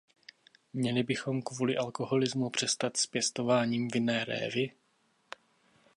Měli bychom kvůli alkoholismu přestat s pěstováním vinné révy?